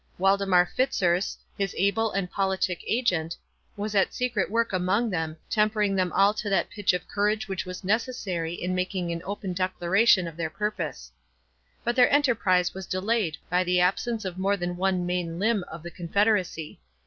Waldemar Fitzurse, his able and politic agent, was at secret work among them, tempering all to that pitch of courage which was necessary in making an open declaration of their purpose. But their enterprise was delayed by the absence of more than one main limb of the confederacy.